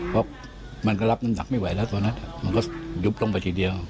เพราะมันก็รับน้ำหนักไม่ไหวแล้วตอนนั้นมันก็ยุบลงไปทีเดียว